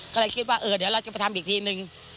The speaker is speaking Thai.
ก็เลยคิดว่าเออเดี๋ยวเราจะมาทำอีกทีนึง